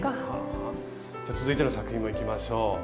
じゃあ続いての作品もいきましょう。